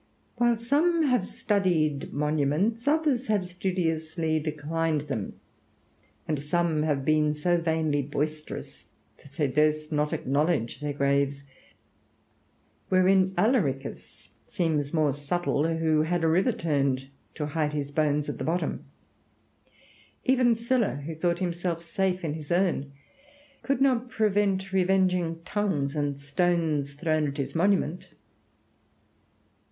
While some have studied monuments, others have studiously declined them; and some have been so vainly boisterous, that they durst not acknowledge their graves; wherein Alaricus seems more subtle, who had a river turned to hide his bones at the bottom. Even Sylla, who thought himself safe in his urn, could not prevent revenging tongues, and stones thrown at his monument.